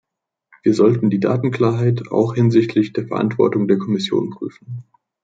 Wir sollten die Datenklarheit auch hinsichtlich der Verantwortung der Kommission prüfen.